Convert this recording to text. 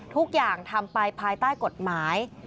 ทุกอย่างทำไปภายใต้กฎหมาย